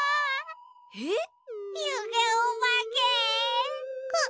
えっ？